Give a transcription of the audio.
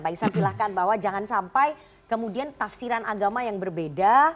pak iksan silahkan bahwa jangan sampai kemudian tafsiran agama yang berbeda